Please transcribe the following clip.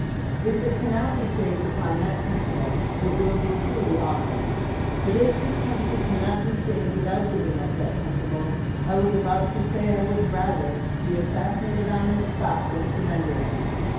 If it cannot be saved upon that principle, it will be truly awful. But if this country cannot be saved without giving up that principle, I was about to say I would rather be assassinated on this spot than sur render it.